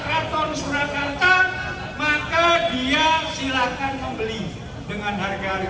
aku tahu ada satu orang yang exhale